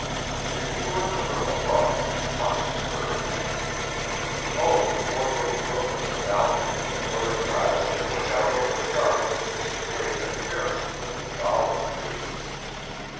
If he were in the room above, he must have heard. Oh, the poor little room with the balcony, where a child had looked out over the garden, and played that fairies lived in the olive trees!